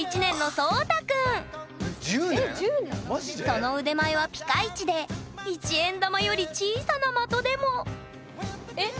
その腕前はピカイチで１円玉より小さな的でもえっ？